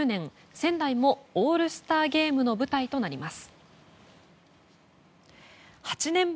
仙台もオールスターゲームの舞台となります。